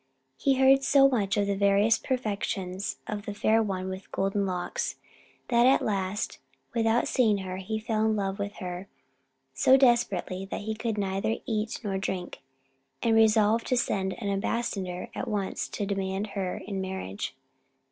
He heard so much of the various perfections of the Fair One with Golden Locks, that at last, without even seeing her, he fell in love with her so desperately that he could neither eat nor drink, and resolved to send an ambassador at once to demand her in marriage.